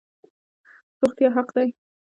روغتیا حق دی